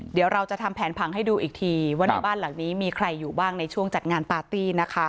เดี๋ยวเราจะทำแผนผังให้ดูอีกทีว่าในบ้านหลังนี้มีใครอยู่บ้างในช่วงจัดงานปาร์ตี้นะคะ